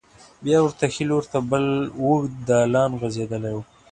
بیا ورته ښې لور ته بل اوږد دالان غوځېدلی و.